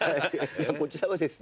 こちらはですね。